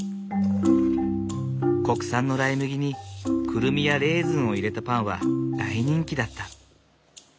国産のライ麦にクルミやレーズンを入れたパンは大人気だった。